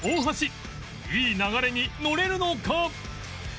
いい流れに乗れるのか？